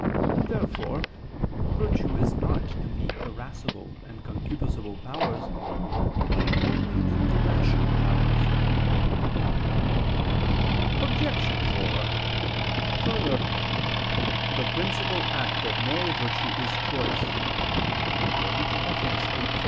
Therefore virtue is not in the irascible and concupiscible powers, but only in the rational powers. Obj. 4: Further, "the principal act of moral virtue is choice" (Ethic. viii, 13).